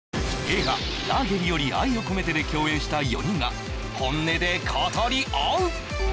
映画「ラーゲリより愛を込めて」で共演した４人が本音で語り合う！